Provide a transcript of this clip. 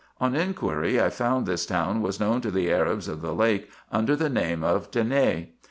On inquiry, I found this town was known to the Arabs of the lake under the name of Denav.